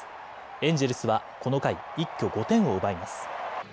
エンジェルスはこの回、一挙５点を奪います。